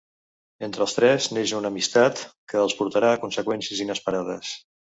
Entre els tres neix una amistat que els portarà a conseqüències inesperades.